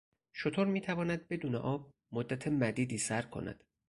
شتر میتواند بدون آب مدت مدیدی سر کند.